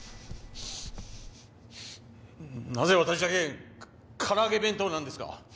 なぜ私だけから揚げ弁当なんですか？